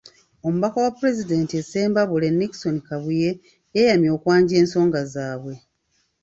Omubaka wa Pulezidenti e Ssembabule, Nickson Kabuye, yeeyamye okwanja ensonga zaabwe.